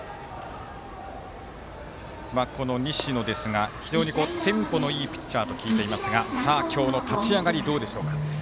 西野ですが非常にテンポのいいピッチャーと聞いていますが今日の立ち上がりどうでしょうか。